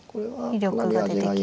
威力が出てきました。